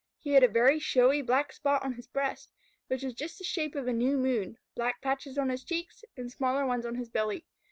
He had a very showy black spot on his breast, which was just the shape of a new moon, black patches on his cheeks and smaller ones on his belly.